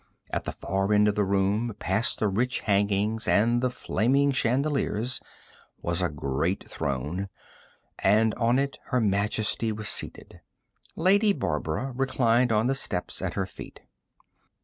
At the far end of the room, past the rich hangings and the flaming chandeliers, was a great throne, and on it Her Majesty was seated. Lady Barbara reclined on the steps at her feet.